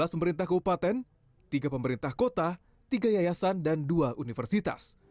dua belas pemerintah kabupaten tiga pemerintah kota tiga yayasan dan dua universitas